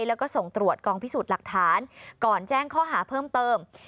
แล้วก็ส่งตรวจกองพิสูจน์หลักฐานก่อนแจ้งข้อหาเพิ่มเติม